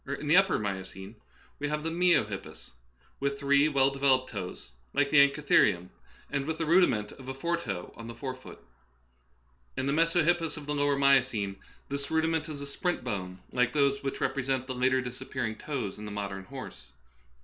In the upper Mio cene we have the miohippus, with three well de veloped toes like the anchitherium, and with the rudiment of a fore toe on the fore foot. In the mesohippus of the lower Miocene this rudiment is a splint bone, like those which represent the later disappearing toes in the modern horse.